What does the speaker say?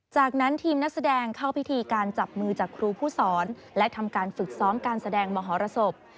จากนั้นทีมนักแสดงเข้าพิธีการจับมือจากครูผู้สอนและทำการฝึกซ้อมการแสดงมหรสบ